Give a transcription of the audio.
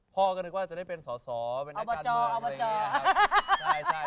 พ่อก็นึกว่าจะได้เป็นสอสอเป็นนักการเมืองอะไรอย่างนี้ครับ